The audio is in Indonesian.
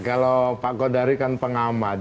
kalau pak godari kan pengamat